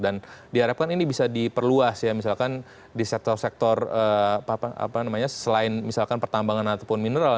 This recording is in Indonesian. dan diarepkan ini bisa diperluas ya misalkan di sektor sektor apa namanya selain misalkan pertambangan ataupun mineral